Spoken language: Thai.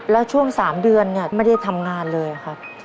แล้วช่วง๓เดือนเนี่ยไม่ได้ทำงานเลยครับ